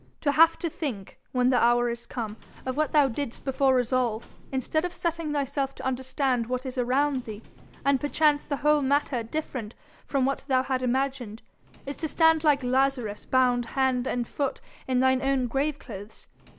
To have to think, when the hour is come, of what thou didst before resolve, instead of setting thyself to understand what is around thee, and perchance the whole matter different from what thou had imagined, is to stand like Lazarus bound hand and foot in thine own graveclothes.